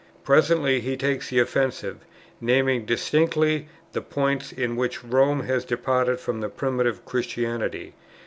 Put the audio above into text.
Presently he takes the offensive, naming distinctly the points, in which Rome has departed from Primitive Christianity, viz.